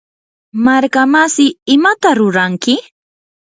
markamasi, ¿imata ruranki?